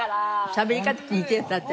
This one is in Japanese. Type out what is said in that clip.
しゃべり方似てるんだって？